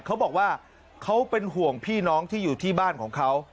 เขาบอกว่าเขาเป็นห่วงพี่น้องที่อยู่ที่บ้านของเขา